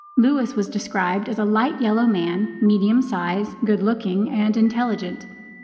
Lewis was described as a light yellow man, medium size, good looking, and intelligent.